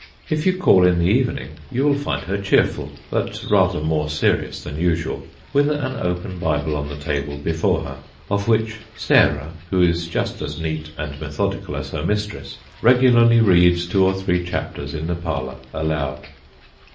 If you call in the evening you will find her cheerful, but rather more serious than usual, with an open Bible on the table, before her, of which " Sarah," who is just as neat and methodical as her mistress, regularly reads two or three chapters in the parlour aloud.